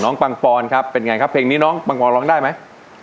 ปังปอนครับเป็นไงครับเพลงนี้น้องปังปอนร้องได้ไหม